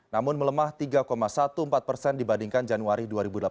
namun melemah tiga empat belas persen dibandingkan januari dua ribu delapan belas